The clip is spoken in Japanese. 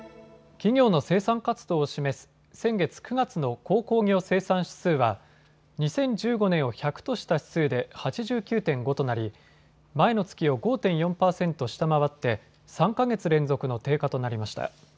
企業の生産活動を示す先月９月の鉱工業生産指数は２０１５年を１００とした指数で８９．５となり前の月を５．４％下回って３か月連続の低下となりました。